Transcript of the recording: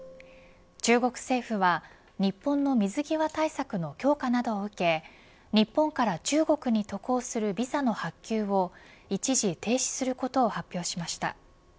中国政府は日本の水際対策の強化などを受け日本から中国に渡航するビザの発給を一時停止することを発表しました。